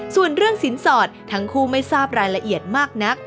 ส่วนเรื่องสินสอดทั้งคู่ไม่ทราบรายละเอียดมากนัก